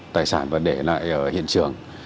tài sản vẫn để lại ở hiện trường